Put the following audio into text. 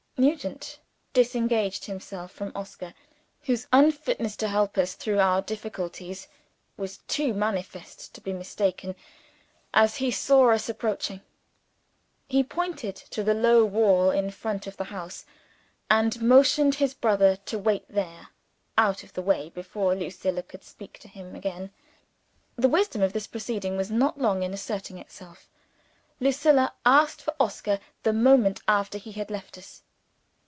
Nugent disengaged himself from Oscar whose unfitness to help us through our difficulties was too manifest to be mistaken as he saw us approaching. He pointed to the low wall in front of the house, and motioned to his brother to wait there out of the way before Lucilla could speak to him again. The wisdom of this proceeding was not long in asserting itself. Lucilla asked for Oscar the moment after he had left us.